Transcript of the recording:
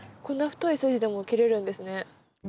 こんな太い筋でも切れるんですね。